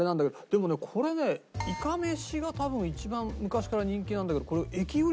でもねこれねいかめしが多分一番昔から人気なんだけど駅売りだと。